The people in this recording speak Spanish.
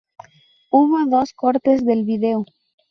Hubo dos cortes del vídeo.